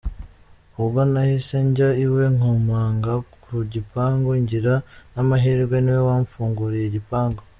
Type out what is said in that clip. Ubwo nahise njya iwe nkomanga ku gipangu, ngira n’amahirwe niwe wamfunguriye igipangu.